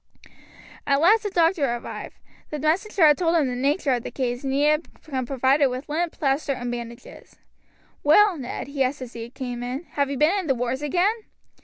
At last the doctor arrived; the messenger had told him the nature of the case, and he had come provided with lint, plaster, and bandages. "Well, Ned," he asked as he came in, "have you been in the wars again?"